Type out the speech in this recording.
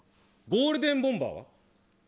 ゴールデンボーンバーは？